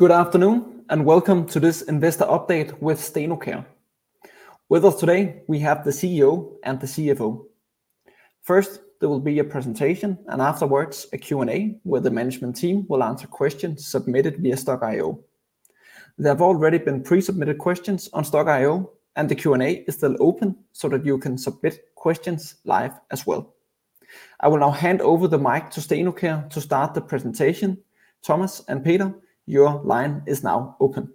Good afternoon, and welcome to this investor update with Stenocare. With us today, we have the CEO and the CFO. First, there will be a presentation, and afterwards, a Q&A, where the management team will answer questions submitted via Stokk.io. There have already been pre-submitted questions on Stokk.io, and the Q&A is still open so that you can submit questions live as well. I will now hand over the mic to Stenocare to start the presentation. Thomas and Peter, your line is now open.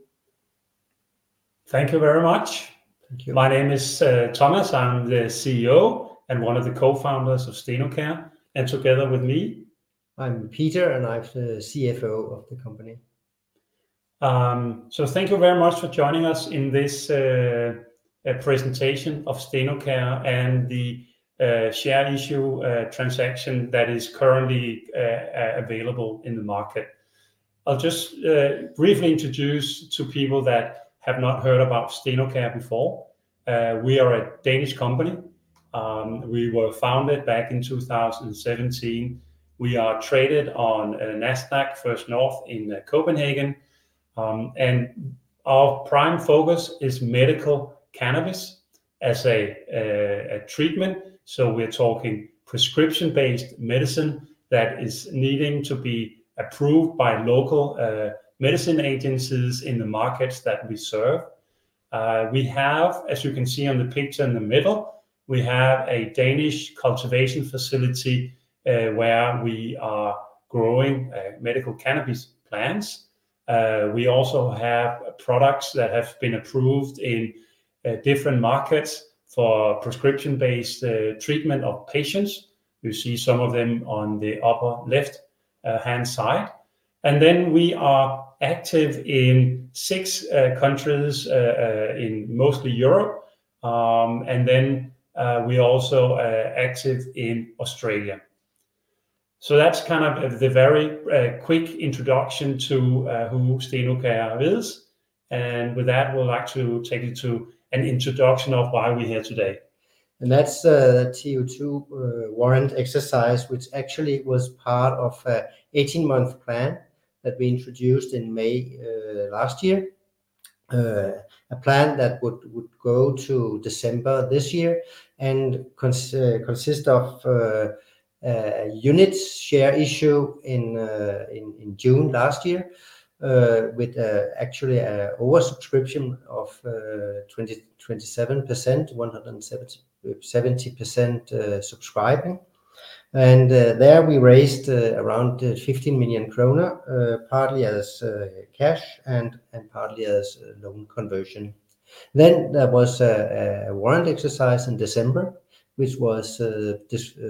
Thank you very much. Thank you. My name is, Thomas. I'm the CEO and one of the co-founders of Stenocare, and together with me- I'm Peter, and I'm the CFO of the company. So thank you very much for joining us in this presentation of Stenocare and the share issue transaction that is currently available in the market. I'll just briefly introduce to people that have not heard about Stenocare before. We are a Danish company. We were founded back in 2017. We are traded on Nasdaq First North in Copenhagen. And our prime focus is medical cannabis as a treatment, so we're talking prescription-based medicine that is needing to be approved by local medicine agencies in the markets that we serve. We have, as you can see on the picture in the middle, we have a Danish cultivation facility where we are growing medical cannabis plants. We also have products that have been approved in different markets for prescription-based treatment of patients. You see some of them on the upper left-hand side. And then we are active in six countries in mostly Europe, and then we also are active in Australia. So that's kind of the very quick introduction to who Stenocare is, and with that, we'd like to take you to an introduction of why we're here today. That's the TO2 warrant exercise, which actually was part of an 18-month plan that we introduced in May last year. A plan that would go to December this year and consist of a unit share issue in June last year, with actually an oversubscription of 27%, 170% subscribing. And there we raised around 15 million kroner, partly as cash and partly as loan conversion. Then there was a warrant exercise in December, which was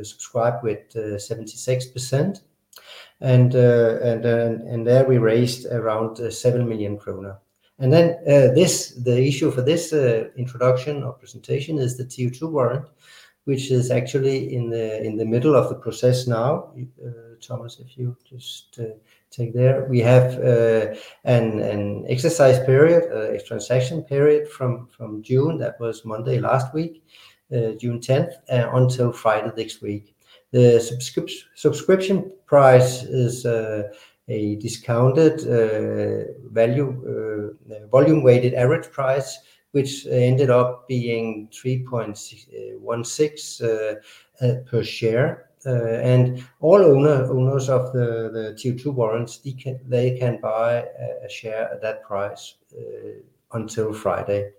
subscribed with 76%, and there we raised around 7 million kroner. And then this issue for this introduction or presentation is the TO2 warrant, which is actually in the middle of the process now. Thomas, if you just take there. We have an exercise period, a transaction period from June, that was Monday last week, June tenth, until Friday next week. The subscription price is a discounted volume-weighted average price, which ended up being 3.616 per share. And all owners of the TO2 warrants, they can buy a share at that price until Friday.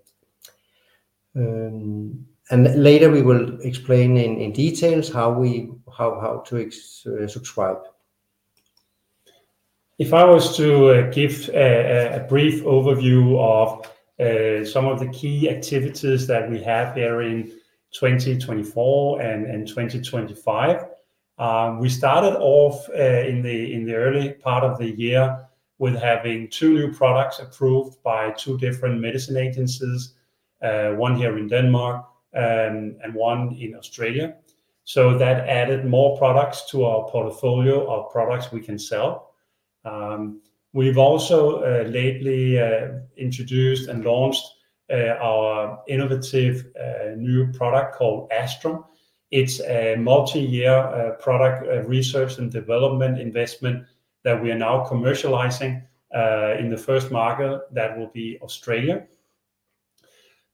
And later we will explain in detail how we... how to subscribe. If I was to give a brief overview of some of the key activities that we have there in 2024 and 2025, we started off in the early part of the year with having two new products approved by two different medicine agencies, one here in Denmark, and one in Australia. So that added more products to our portfolio of products we can sell. We've also lately introduced and launched our innovative new product called Astrum. It's a multi-year product research and development investment that we are now commercializing in the first market. That will be Australia.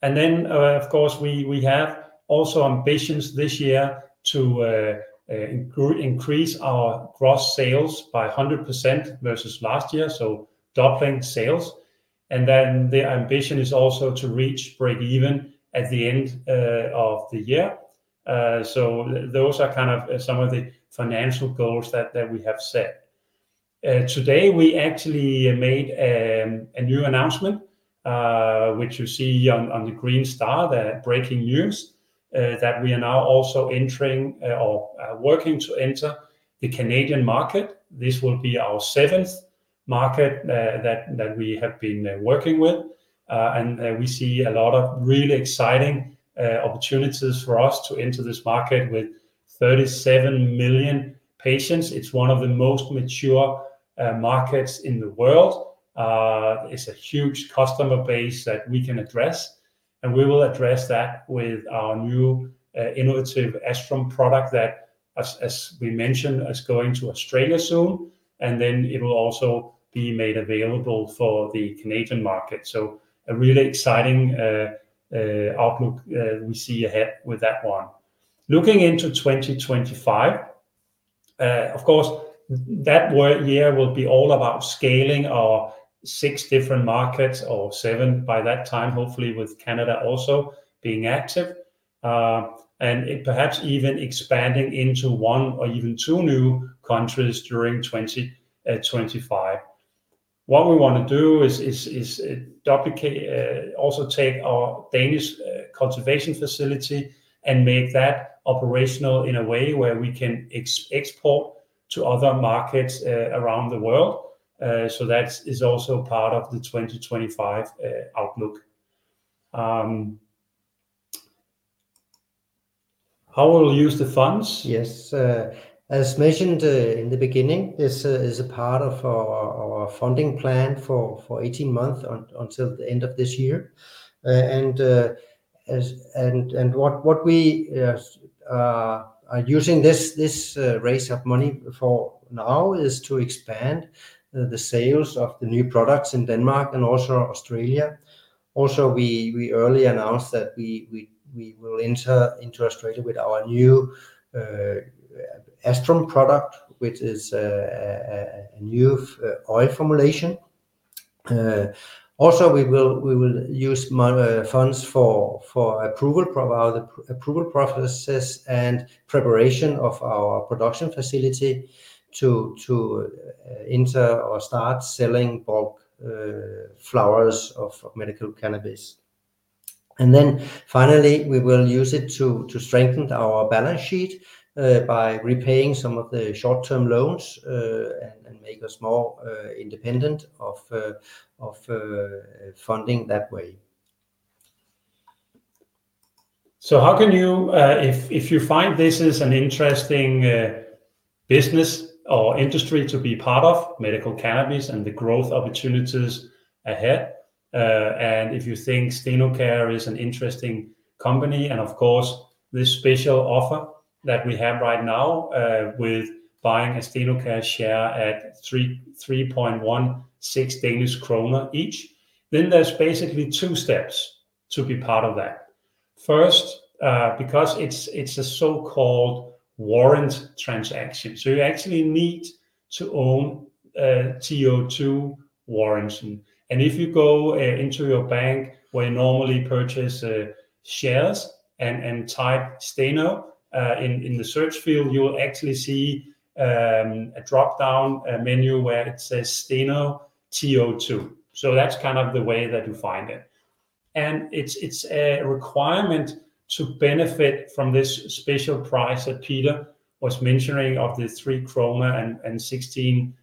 Of course, we have also ambitions this year to increase our gross sales by 100% versus last year, so doubling sales, and then the ambition is also to reach break even at the end of the year. So those are kind of some of the financial goals that we have set. Today, we actually made a new announcement, which you see on the green star, the breaking news, that we are now also entering, or working to enter the Canadian market. This will be our seventh market that we have been working with, and we see a lot of really exciting opportunities for us to enter this market with 37 million patients. It's one of the most mature markets in the world. It's a huge customer base that we can address... and we will address that with our new, innovative Astrum product that, as we mentioned, is going to Australia soon, and then it will also be made available for the Canadian market. So, a really exciting outlook we see ahead with that one. Looking into 2025, of course, that year will be all about scaling our six different markets or seven by that time, hopefully with Canada also being active. And it perhaps even expanding into one or even two new countries during 2025. What we want to do is duplicate also take our Danish cultivation facility and make that operational in a way where we can export to other markets around the world. That is also part of the 2025 outlook. How we'll use the funds? Yes, as mentioned in the beginning, this is a part of our funding plan for 18 months until the end of this year. And what we are using this raise of money for now is to expand the sales of the new products in Denmark and also Australia. Also, we early announced that we will enter into Australia with our new Astrum product, which is a new oil formulation. Also we will use some funds for our approval processes and preparation of our production facility to enter or start selling bulk flowers of medical cannabis. Finally, we will use it to strengthen our balance sheet by repaying some of the short-term loans, and make us more independent of funding that way. So how can you, if you find this is an interesting business or industry to be part of, medical cannabis and the growth opportunities ahead, and if you think Stenocare is an interesting company, and of course, this special offer that we have right now, with buying a Stenocare share at 3.16 Danish krone each, then there's basically two steps to be part of that. First, because it's a so-called warrant transaction, so you actually need to own TO2 warrants. And if you go into your bank where you normally purchase shares and type Steno in the search field, you will actually see a drop-down menu where it says Steno TO2. So that's kind of the way that you find it. It's a requirement to benefit from this special price that Peter was mentioning of the 3 and 16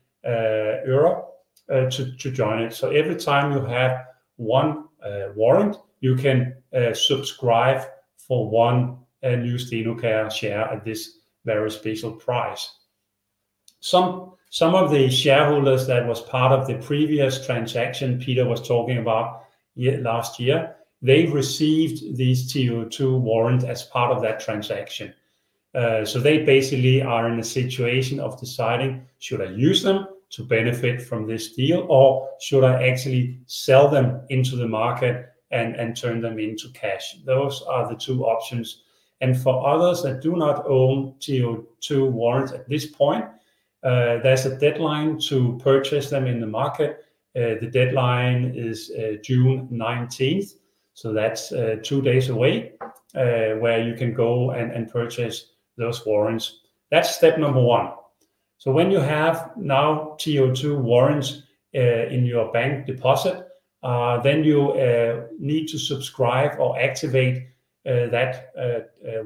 euro to join it. So every time you have one warrant, you can subscribe for 1 new Stenocare share at this very special price. Some of the shareholders that was part of the previous transaction Peter was talking about last year, they received these TO2 warrant as part of that transaction. So they basically are in a situation of deciding, should I use them to benefit from this deal, or should I actually sell them into the market and turn them into cash? Those are the two options, and for others that do not own TO2 warrants at this point, there's a deadline to purchase them in the market. The deadline is June nineteenth, so that's two days away, where you can go and purchase those warrants. That's step number one. So when you have now TO2 warrants in your bank deposit, then you need to subscribe or activate that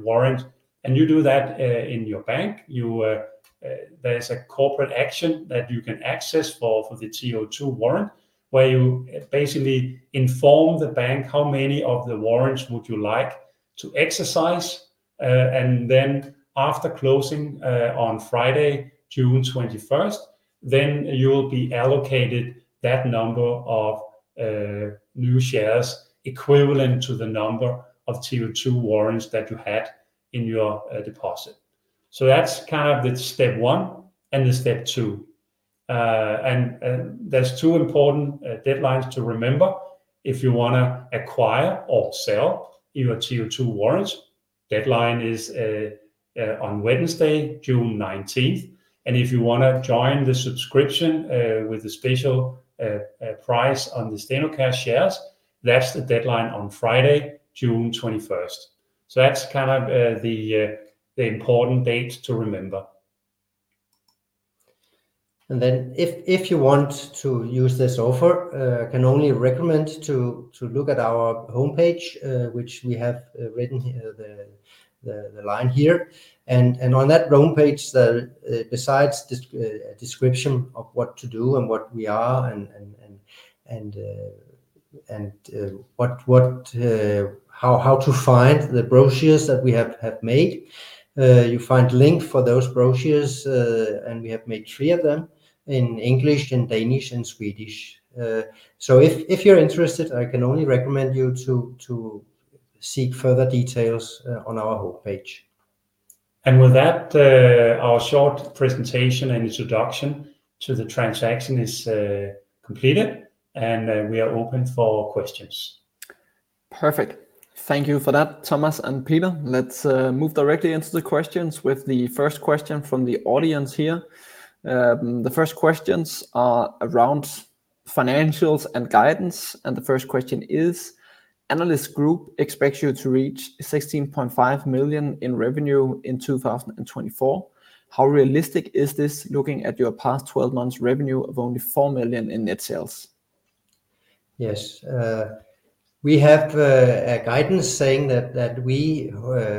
warrant, and you do that in your bank. You, there's a corporate action that you can access for the TO2 warrant, where you basically inform the bank how many of the warrants would you like to exercise. And then after closing on Friday, June twenty-first, then you will be allocated that number of new shares equivalent to the number of TO2 warrants that you had in your deposit. So that's kind of the step one and the step two. There's two important deadlines to remember: if you wanna acquire or sell your TO2 warrants, deadline is on Wednesday, June 19th. If you wanna join the subscription with the special price on the Stenocare shares, that's the deadline on Friday, June 21st. That's kind of the important date to remember. Then if you want to use this offer, I can only recommend to look at our homepage, which we have written here, the line here. And on that homepage, besides description of what to do and what we are and how to find the brochures that we have made, you find link for those brochures, and we have made three of them in English and Danish and Swedish. So if you're interested, I can only recommend you to seek further details on our homepage. With that, our short presentation and introduction to the transaction is completed, and we are open for questions. Perfect. Thank you for that, Thomas and Peter. Let's move directly into the questions with the first question from the audience here. The first questions are around financials and guidance, and the first question is: Analyst Group expects you to reach 16.5 million in revenue in 2024. How realistic is this, looking at your past twelve months revenue of only 4 million in net sales? Yes, we have a guidance saying that we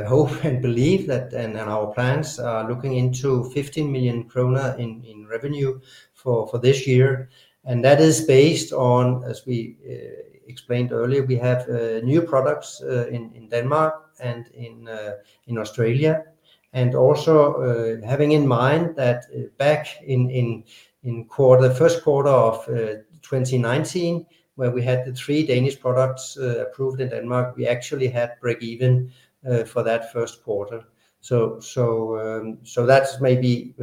hope and believe that, and our plans are looking into 15 million kroner in revenue for this year, and that is based on, as we explained earlier, we have new products in Denmark and in Australia. And also, having in mind that back in first quarter of 2019, where we had the three Danish products approved in Denmark, we actually had break even for that first quarter. So, that's maybe...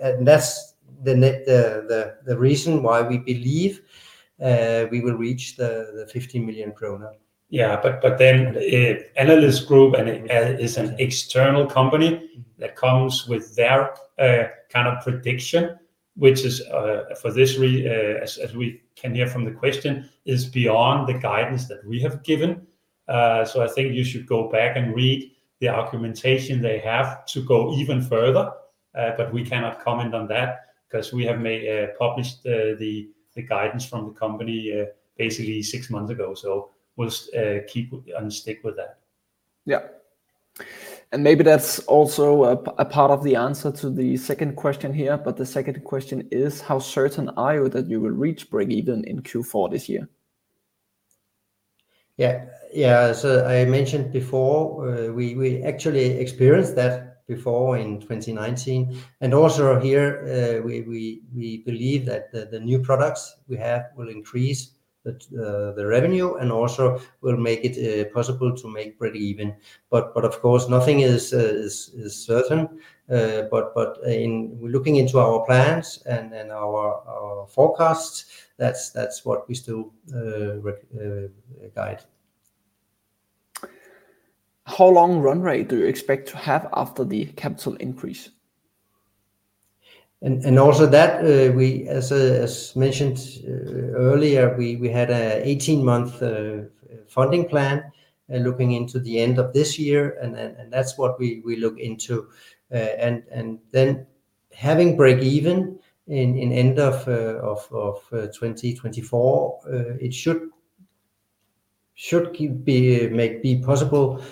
And that's the reason why we believe we will reach the 15 million krone. Yeah, but then, Analyst Group and is an external company that comes with their kind of prediction, which is for this, as we can hear from the question, is beyond the guidance that we have given. So I think you should go back and read the argumentation they have to go even further, but we cannot comment on that, 'cause we have published the guidance from the company basically six months ago. So we'll keep and stick with that. Yeah. And maybe that's also a part of the answer to the second question here, but the second question is: How certain are you that you will reach break even in Q4 this year? Yeah, yeah. So I mentioned before, we actually experienced that before in 2019, and also here, we believe that the new products we have will increase the revenue and also will make it possible to make break even. But of course, nothing is certain. But in looking into our plans and our forecasts, that's what we still guide. How long run rate do you expect to have after the capital increase? And also that, as mentioned earlier, we had an 18-month funding plan looking into the end of this year, and then. And that's what we look into. And then having break even in the end of 2024, it should be possible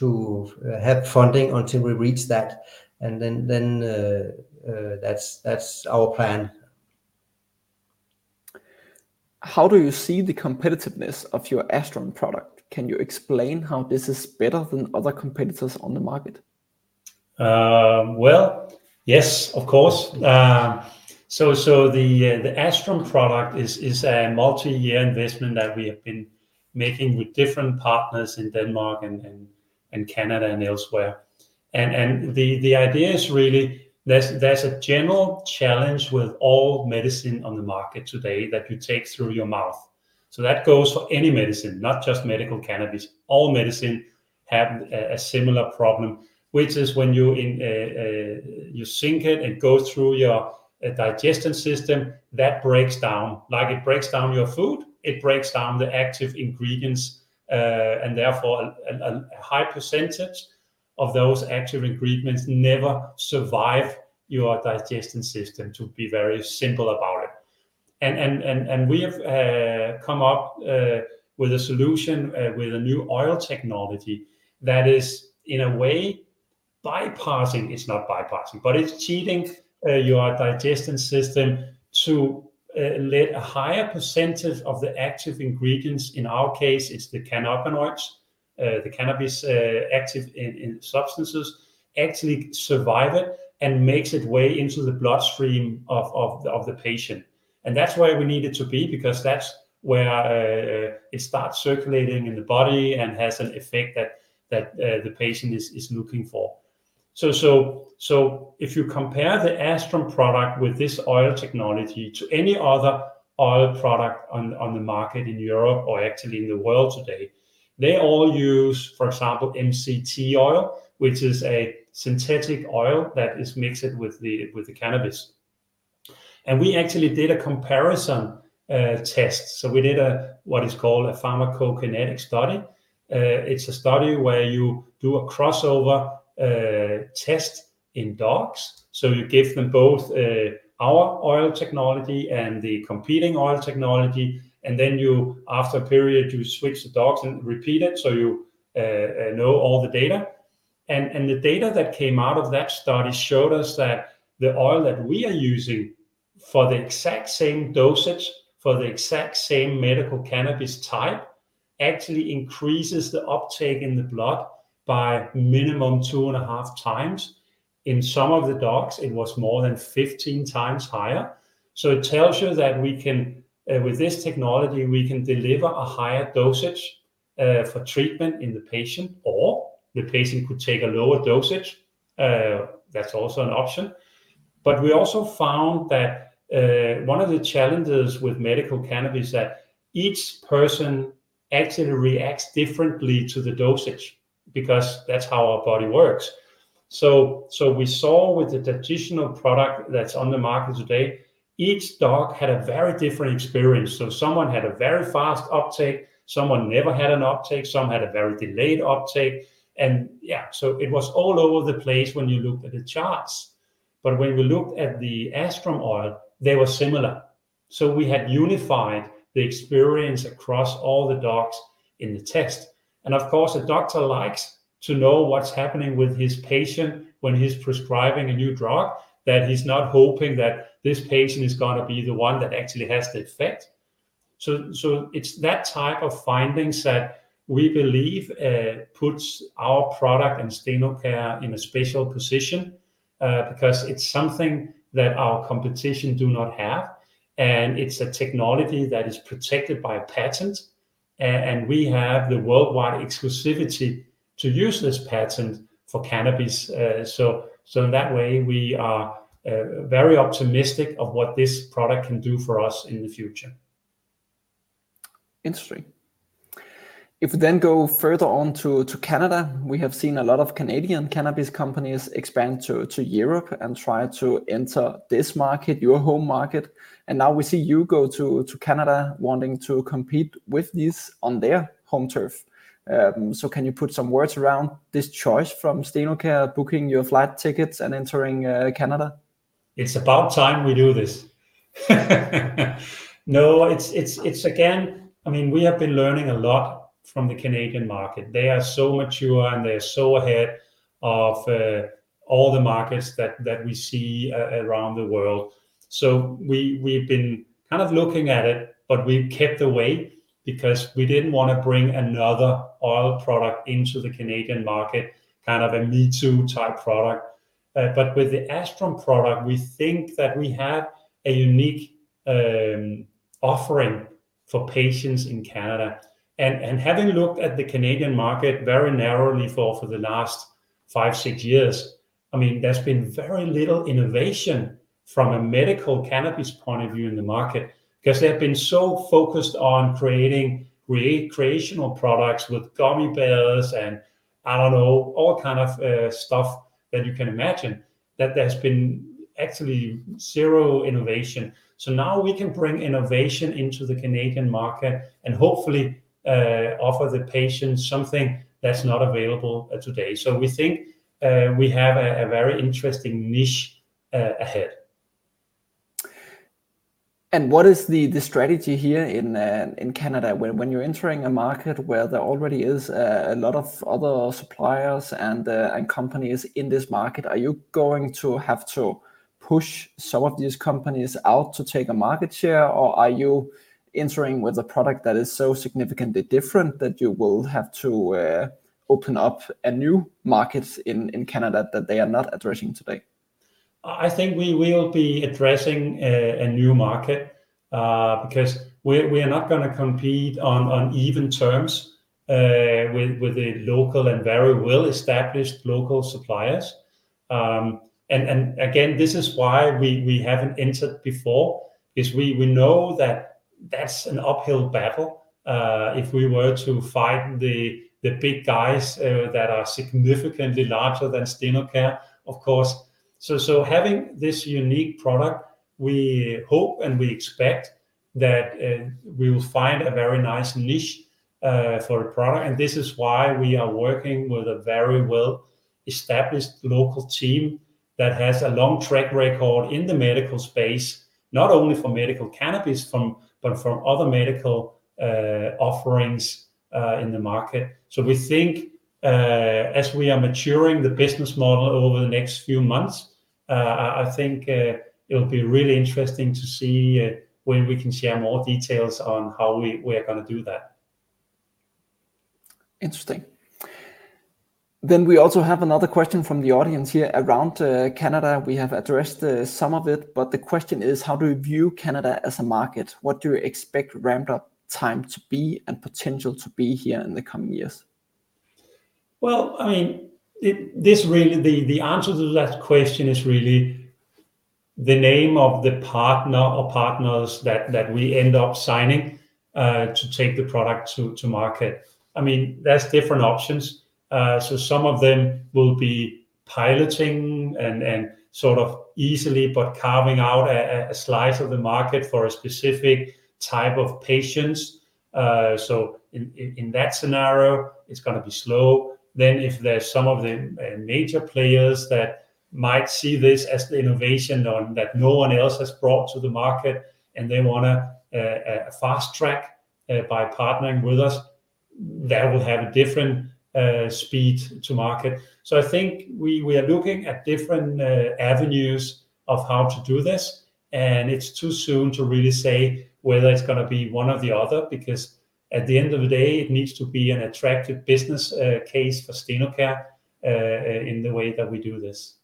to have funding until we reach that, and then that's our plan. How do you see the competitiveness of your Astrum product? Can you explain how this is better than other competitors on the market? Well, yes, of course. So the Astrum product is a multi-year investment that we have been making with different partners in Denmark and Canada and elsewhere. And the idea is really there's a general challenge with all medicine on the market today that you take through your mouth. So that goes for any medicine, not just medical cannabis. All medicine have a similar problem, which is when you ingest it, and it goes through your digestion system, that breaks down. Like it breaks down your food, it breaks down the active ingredients, and therefore a high percentage of those active ingredients never survive your digestion system, to be very simple about it. We have come up with a solution with a new oil technology that is, in a way, bypassing... It's not bypassing, but it's cheating your digestive system to let a higher percentage of the active ingredients, in our case, it's the cannabinoids, the cannabis active ingredients, actually survive it and make its way into the bloodstream of the patient. And that's where we need it to be, because that's where it starts circulating in the body and has an effect that the patient is looking for. So if you compare the Astrum product with this oil technology to any other oil product on the market in Europe or actually in the world today, they all use, for example, MCT oil, which is a synthetic oil that is mixed with the cannabis. And we actually did a comparison test. So we did what is called a pharmacokinetic study. It's a study where you do a crossover test in dogs. So you give them both our oil technology and the competing oil technology, and then you, after a period, you switch the dogs and repeat it, so you know all the data. The data that came out of that study showed us that the oil that we are using, for the exact same dosage, for the exact same medical cannabis type, actually increases the uptake in the blood by minimum 2.5 times in some of the dogs, it was more than 15 times higher. So it tells you that we can, with this technology, we can deliver a higher dosage, for treatment in the patient, or the patient could take a lower dosage. That's also an option. But we also found that, one of the challenges with medical cannabis is that each person actually reacts differently to the dosage, because that's how our body works. So we saw with the traditional product that's on the market today, each dog had a very different experience. So someone had a very fast uptake, someone never had an uptake, some had a very delayed uptake, and yeah, so it was all over the place when you looked at the charts. But when we looked at the Astrum Oil, they were similar. So we had unified the experience across all the dogs in the test. And of course, a doctor likes to know what's happening with his patient when he's prescribing a new drug, that he's not hoping that this patient is gonna be the one that actually has the effect. So it's that type of findings that we believe puts our product and Stenocare in a special position because it's something that our competition do not have, and it's a technology that is protected by a patent and we have the worldwide exclusivity to use this patent for cannabis. So in that way, we are very optimistic of what this product can do for us in the future. Interesting. If we then go further on to Canada, we have seen a lot of Canadian cannabis companies expand to Europe and try to enter this market, your home market, and now we see you go to Canada, wanting to compete with this on their home turf. So can you put some words around this choice from Stenocare, booking your flight tickets and entering Canada? It's about time we do this. No, it's again, I mean, we have been learning a lot from the Canadian market. They are so mature, and they're so ahead of all the markets that we see around the world. So we've been kind of looking at it, but we've kept away, because we didn't want to bring another oil product into the Canadian market, kind of a me-too type product. But with the Astrum product, we think that we have a unique offering for patients in Canada. Having looked at the Canadian market very narrowly for the last five, six years, I mean, there's been very little innovation from a medical cannabis point of view in the market, because they have been so focused on creating recreational products with gummy bears, and I don't know, all kind of stuff that you can imagine, that there's been actually zero innovation. So now we can bring innovation into the Canadian market and hopefully offer the patients something that's not available today. So we think we have a very interesting niche ahead. What is the strategy here in Canada when you're entering a market where there already is a lot of other suppliers and companies in this market? Are you going to have to push some of these companies out to take a market share, or are you entering with a product that is so significantly different that you will have to open up a new market in Canada that they are not addressing today? I think we will be addressing a new market because we're not gonna compete on even terms with the local and very well-established local suppliers. And again, this is why we haven't entered before, is we know that that's an uphill battle if we were to fight the big guys that are significantly larger than Stenocare, of course. So having this unique product, we hope and we expect that we will find a very nice niche for the product, and this is why we are working with a very well-established local team that has a long track record in the medical space, not only for medical cannabis but from other medical offerings in the market. So we think, as we are maturing the business model over the next few months, I think, it'll be really interesting to see when we can share more details on how we are gonna do that. Interesting. Then we also have another question from the audience here around Canada. We have addressed some of it, but the question is: how do you view Canada as a market? What do you expect ramped up time to be and potential to be here in the coming years? Well, I mean, this really, the answer to that question is really the name of the partner or partners that we end up signing to take the product to market. I mean, there's different options. So some of them will be piloting and sort of easily, but carving out a slice of the market for a specific type of patients. So in that scenario, it's gonna be slow. Then if there's some of the major players that might see this as the innovation that no one else has brought to the market, and they wanna fast-track by partnering with us, that will have a different speed to market. So I think we are looking at different avenues of how to do this, and it's too soon to really say whether it's gonna be one or the other, because at the end of the day, it needs to be an attractive business case for Stenocare, in the way that we do this.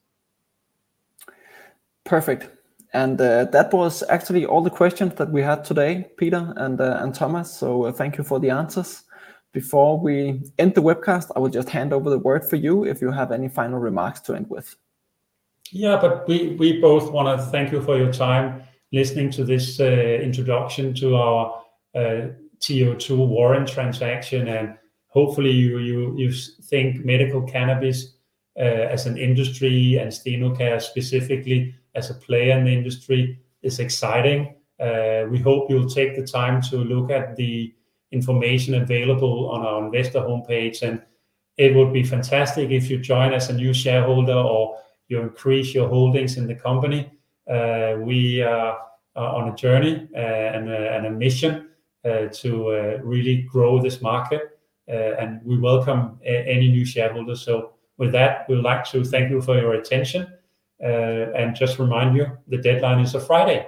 Perfect. That was actually all the questions that we had today, Peter and Thomas, so thank you for the answers. Before we end the webcast, I will just hand over the word for you, if you have any final remarks to end with. Yeah, but we both wanna thank you for your time listening to this introduction to our TO2 warrant transaction, and hopefully, you think medical cannabis as an industry and Stenocare specifically as a player in the industry is exciting. We hope you'll take the time to look at the information available on our investor homepage, and it would be fantastic if you join as a new shareholder or you increase your holdings in the company. We are on a journey and a mission to really grow this market, and we welcome any new shareholders. So with that, we'd like to thank you for your attention, and just remind you the deadline is on Friday.